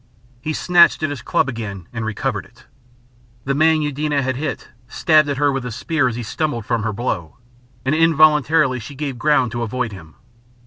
He snatched at his club again and recovered it. The man Eudena had hit stabbed at her with his spear as he stumbled from her blow, and involuntarily she gave ground to avoid him.